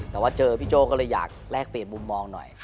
แต่ว่าเจอพี่โจ้ก็เลยอยากแลกเปลี่ยนมุมมองหน่อย